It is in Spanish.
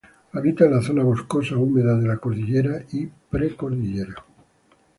Habita en la zona boscosa húmeda de la cordillera y pre cordillera.